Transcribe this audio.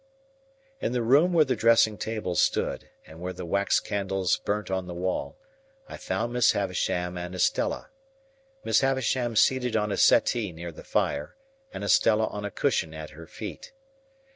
In the room where the dressing table stood, and where the wax candles burnt on the wall, I found Miss Havisham and Estella; Miss Havisham seated on a settee near the fire, and Estella on a cushion at her feet.